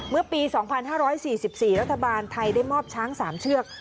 เมื่อปี๒๕๔๔รัฐบาลไทยได้มอบช้าง๓เชือก